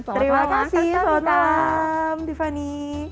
terima kasih selamat malam tiffany